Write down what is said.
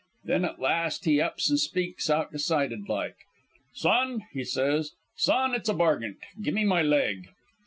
Then at last he ups and speaks out decided like: "'Son,' he says, 'son, it's a bargint. Gimmee my leg.'